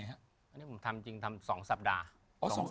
อันนี้ผมทำจริงทำ๒สัปดาห์